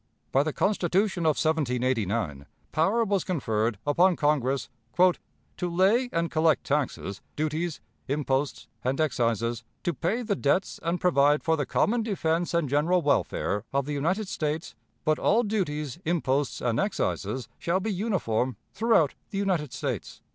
By the Constitution of 1789 power was conferred upon Congress "To lay and collect taxes, duties, imposts, and excises, to pay the debts and provide for the common defense and general welfare of the United States; but all duties, imposts, and excises shall be uniform throughout the United States."